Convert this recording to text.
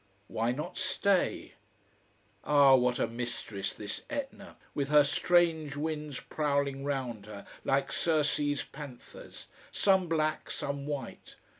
Why not stay? Ah, what a mistress, this Etna! with her strange winds prowling round her like Circe's panthers, some black, some white.